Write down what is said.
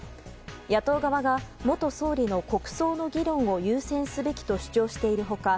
野党側が元総理の国葬の議論を優先すべきと主張している他